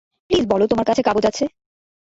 Please বল তোমার কাছে কাগজ আছে।